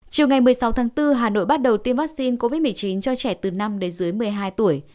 chiều ngày một mươi sáu tháng bốn hà nội bắt đầu tiêm vaccine covid một mươi chín cho trẻ từ năm đến dưới một mươi hai tuổi